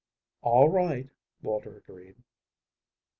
"All right," Walter agreed.